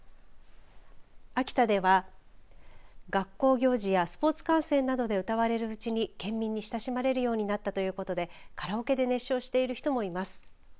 秋田では学校行事やスポーツ観戦などで歌われるうちに県民に親しまれるようになったということでカラオケで熱唱している人もいます。